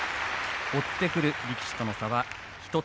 追ってくる力士との差は１つ。